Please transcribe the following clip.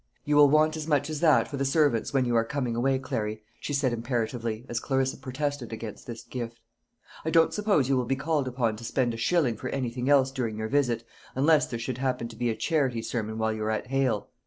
"You will want as much as that for the servants when you are coming away, Clary," she said imperatively, as Clarissa protested against this gift. "I don't suppose you will be called upon to spend a shilling for anything else during your visit, unless there should happen to be a charity sermon while you are at Hale.